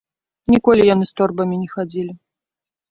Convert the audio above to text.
Ніколі яны з торбамі не хадзілі.